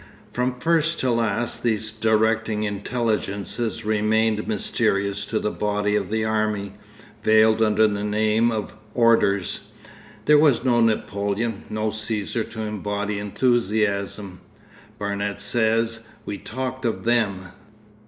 From first to last these directing intelligences remained mysterious to the body of the army, veiled under the name of 'Orders.' There was no Napoleon, no Cæsar to embody enthusiasm. Barnet says, 'We talked of Them.